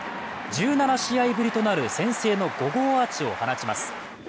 １７試合ぶりとなる先制の５号アーチを放ちます。